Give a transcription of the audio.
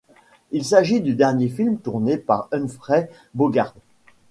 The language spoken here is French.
Il s'agit du dernier film tourné par Humphrey Bogart.